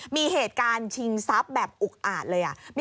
มีเหตุการณ์ชิงทรัพย์แบบอุกอาจเลย